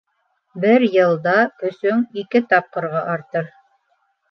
Бер йылда көсөң ике тапҡырға артыр.